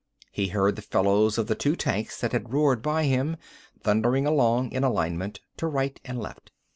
He heard the fellows of the two tanks that had roared by him, thundering along in alignment to right and left.